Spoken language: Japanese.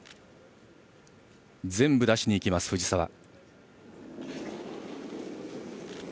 全部出しにいきます藤澤。